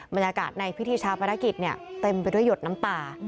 บรรยากาศในพิธีชาปนกิจเต็มไปด้วยหยดน้ำตา